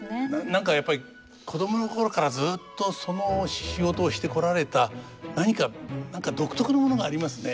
何かやっぱり子供の頃からずっとその仕事をしてこられた何か何か独特のものがありますね。